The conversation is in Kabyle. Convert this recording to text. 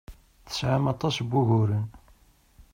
Tesɛam aṭas n wuguren.